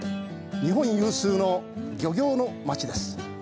日本有数の漁業の町です。